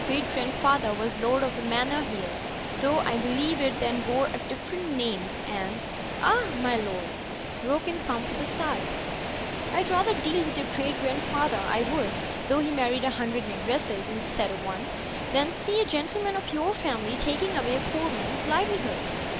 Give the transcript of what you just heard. «u by Google 48 THE FLYING INN grandfather was Lord of the Manor here, though X beHeve it then bore a different name, and '' "Ah, my lord," broke in Pump with a sigh, 'Td rather deal with your great grandfather, I would, though he married a hundred negresses instead of one, than see a gentleman of your family taking away a poor man's livelihood."